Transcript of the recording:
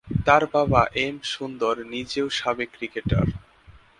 তাঁর বাবা এম সুন্দর নিজেও সাবেক ক্রিকেটার।